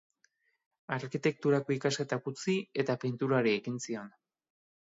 Arkitekturako ikasketak utzi eta pinturari ekin zion.